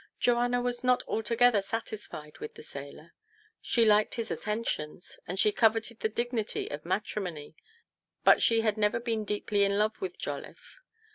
Joanna was not altogether satisfied with the sailor. She liked his attentions, and she coveted the dignity of matrimony ; but she had never been deeply in love with Jolliffe.